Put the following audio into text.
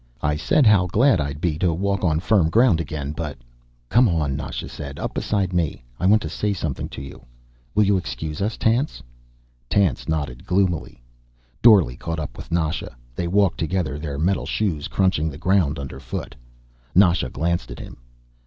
"I said how glad I'd be to walk on firm ground again, but " "Come on," Nasha said. "Up beside me. I want to say something to you. Will you excuse us, Tance?" Tance nodded gloomily. Dorle caught up with Nasha. They walked together, their metal shoes crunching the ground underfoot. Nasha glanced at him.